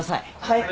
はい。